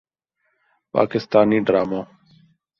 پاکستانی ڈراموں